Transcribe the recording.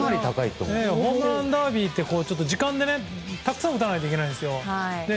ホームランダービーって時間でたくさん打たないといけないんですよ。